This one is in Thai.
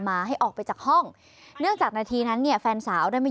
มาให้ออกไปจากห้องเนื่องจากนาทีนั้นเนี่ยแฟนสาวได้ไม่